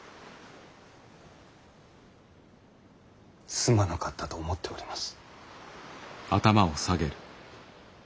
すまなかったと思っております。